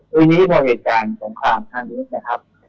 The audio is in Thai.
วันนี้มีบางเหตุการณ์ของความทางเดียวนะครับ